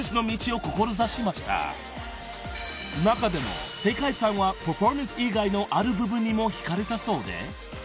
［中でも世界さんはパフォーマンス以外のある部分にも引かれたそうで］